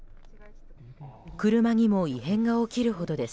車にも異変が起きるほどです。